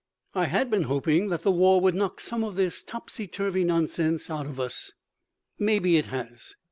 I had been hoping that the war would knock some of this topsy turvy nonsense out of us. Maybe it has.